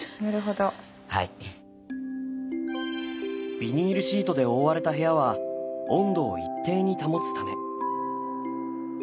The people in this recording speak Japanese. ビニールシートで覆われた部屋は温度を一定に保つため。